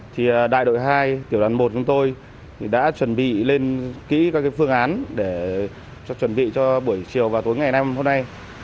thì đại đội hai tiểu đoàn một chúng tôi đã chuẩn bị lên kỹ các phương án để chuẩn bị cho buổi chiều và tối ngày năm hôm nay